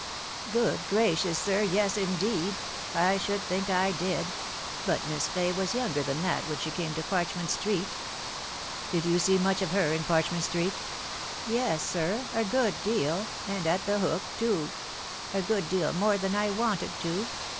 41 Good gracious, sir, yes, indeed, I should think I did ! but Miss Fay was younger than that when she came to Parchment Street." " Did you see much of her in Parchment Street ?"" Yes, sir, a good deal, and at The Hook, too ; a good deal more than I wanted to.